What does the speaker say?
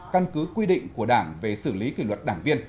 căn cứ quy định của đảng về xử lý kỷ luật đảng viên